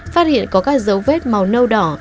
phát hiện có các dấu vết màu nâu đỏ